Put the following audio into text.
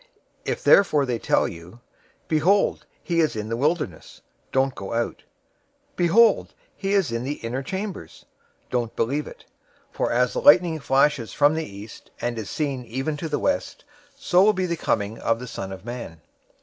024:026 If therefore they tell you, 'Behold, he is in the wilderness,' don't go out; 'Behold, he is in the inner chambers,' don't believe it. 024:027 For as the lightning flashes from the east, and is seen even to the west, so will be the coming of the Son of Man.